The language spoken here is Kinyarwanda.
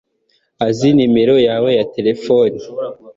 azi nomero yawe ya terefone